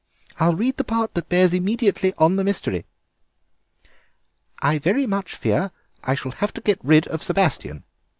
"I'll read the part that bears immediately on the mystery. "'I very much fear I shall have to get rid of Sebastien.